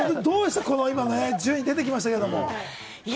順位、出てきましたけれども。